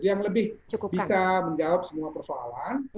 yang lebih bisa menjawab semua persoalan